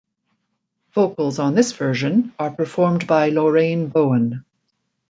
Vocals on this version are performed by Lorraine Bowen.